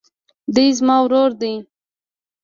دی زما ورور دئ.